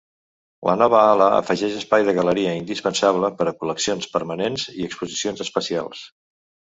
La nova ala afegeix espai de galeria indispensable per a col·leccions permanents i exposicions especials.